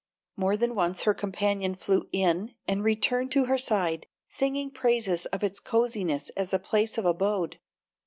More than once her companion flew in and returned to her side, singing praises of its coziness as a place of abode.